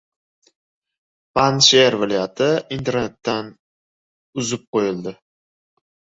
Panjsher viloyati internetdan uzib qo‘yildi